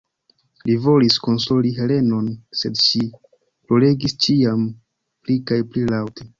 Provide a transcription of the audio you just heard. Li volis konsoli Helenon, sed ŝi ploregis ĉiam pli kaj pli laŭte.